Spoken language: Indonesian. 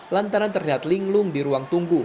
lantaran terlihat linglung di ruang tunggu